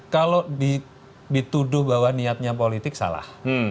kalau dituduh bahwa niatnya politik salah